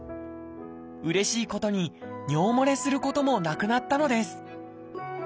うれしいことに尿もれすることもなくなったのです